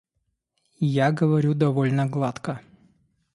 Я говорю довольно гладко.